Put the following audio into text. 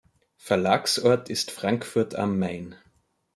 Verlagsort ist Frankfurt am Main.